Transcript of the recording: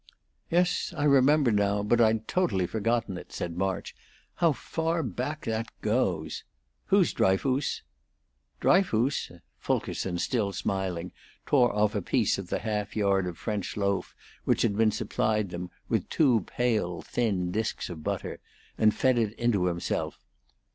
"Yes, I remember now; but I'd totally forgotten it," said March. "How far back that goes! Who's Dryfoos?" "Dryfoos?" Fulkerson, still smiling, tore off a piece of the half yard of French loaf which had been supplied them, with two pale, thin disks of butter, and fed it into himself.